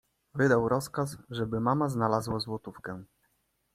Wydał rozkaz, żeby mama znalazła złotówkę.